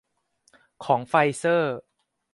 ของไฟเซอร์